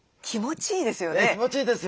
気持ちいいですよね。